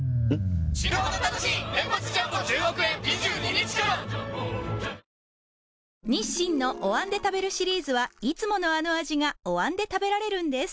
日清のお椀で食べるシリーズはいつものあの味がお椀で食べられるんです